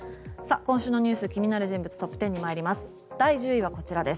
今週のニュース気になる人物トップ１０に参ります。